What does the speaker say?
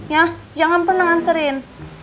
ya jangan pernah anterin